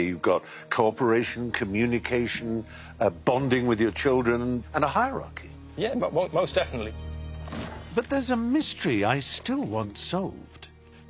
そうですね。